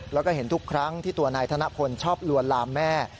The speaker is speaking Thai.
แล้วก็เห็นทุกครั้งที่ตัวนายธนพลชอบลวนลามแม่